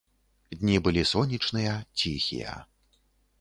Дні былі сонечныя, ціхія.